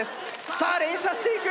さあ連射していく！